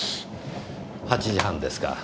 ８時半ですか。